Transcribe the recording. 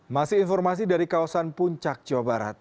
masih informasi dari kawasan puncak jawa barat